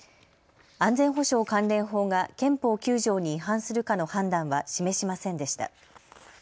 安全保障関連法が憲法９条に違反するかの判断は示しませんでした。